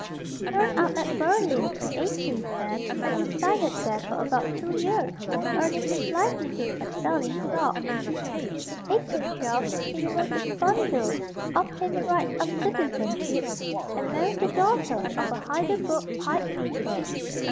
He turned up at Berlin in 1810, and resided there for about two years, earning his livelihood by selling clocks. In 1812 he removed to Spandau, obtained the rights of citizenship, and married the daughter of a Heidelberg pipemaker.